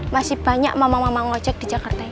masih banyak mamang mamang ojek di jakarta ini